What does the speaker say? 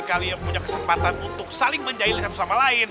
kalian punya kesempatan untuk saling menjahit satu sama lain